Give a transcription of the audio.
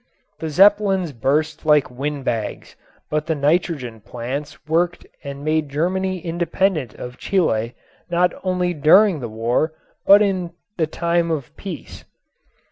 The Zeppelins burst like wind bags, but the nitrogen plants worked and made Germany independent of Chile not only during the war, but in the time of peace.